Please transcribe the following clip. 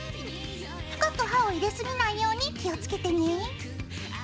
深く刃を入れすぎないように気をつけてね。